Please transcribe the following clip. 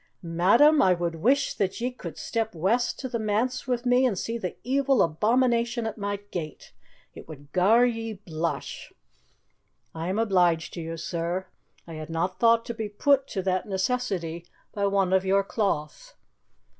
"Madam, I would wish that ye could step west to the manse wi' me and see the evil abomination at my gate. It would gar ye blush." "I am obliged to you, sir. I had not thought to be put to that necessity by one of your cloth."